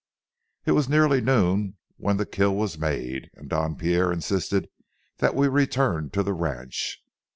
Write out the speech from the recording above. It was nearly noon when the kill was made, and Don Pierre insisted that we return to the ranch.